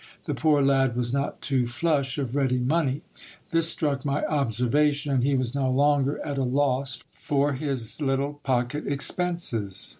The poor lad was not too flush of ready money. This struck my observation ; and he was no longer at a loss for his little pocket ex penses.